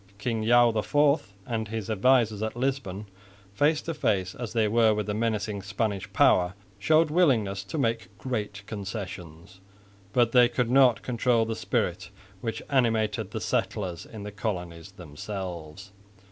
King João IV and his advisers at Lisbon, face to face as they were with the menacing Spanish power, showed willingness to make great concessions, but they could not control the spirit which animated the settlers in the colonies themselves.